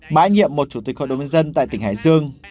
bãi nhiệm một chủ tịch hội đồng nhân dân tại tỉnh hải dương